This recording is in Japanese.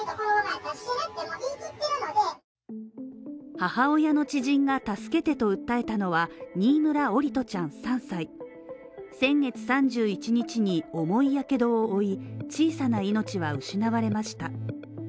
母親の知人が助けてと訴えたのは新村桜利斗ちゃん３歳先月３１日に重いやけどを負い、小さな命は失われました。